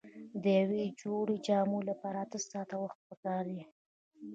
د یوې جوړې جامو لپاره اته ساعته وخت پکار دی.